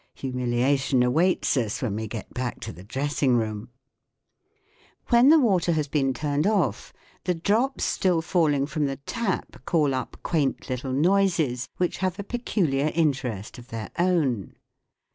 Humilia tion awaits us when we get back to the dressing room ! When the water has been turned off, the drops still falling from the tap call up quaint SOUNDS OF THE TOWN 69 little noises which have a peculiar interest of their own.